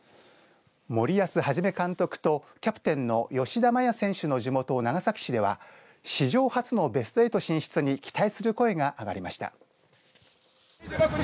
森保一監督とキャプテンの吉田麻也選手の地元長崎市では史上初のベスト８進出に期待する声が上がりました。